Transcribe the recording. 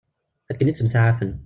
Akken ittemsaɛafen.